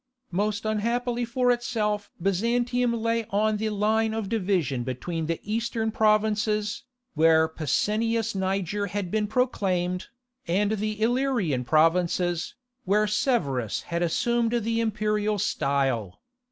Most unhappily for itself Byzantium lay on the line of division between the eastern provinces, where Pescennius Niger had been proclaimed, and the Illyrian provinces, where Severus had assumed the imperial style.